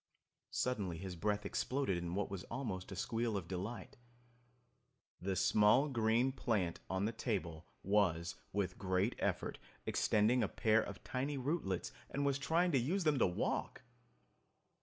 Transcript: Suddenly his breath exploded in what was almost a squeal of delight. The small green plant on the table was with great effort extending a pair of tiny rootlets and was trying to use them to walk!